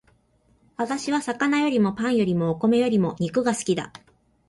私は魚よりもパンよりもお米よりも肉が好きだ